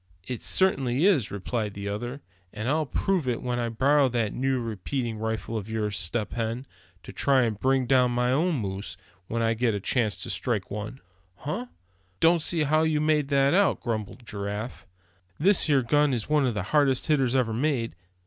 "It certainly is," replied the other; "and I'll prove it when I borrow that new repeating rifle of yours, Step Hen, to try and bring down my moose—when I get a chance to strike one." "Huh! don't see how you make that out," grumbled Giraffe. "This here gun is one of the hardest hitters ever made.